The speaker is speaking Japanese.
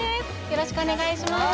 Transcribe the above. よろしくお願いします